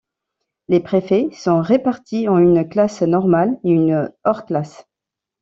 Les préfets sont répartis en une classe normale et une hors-classe.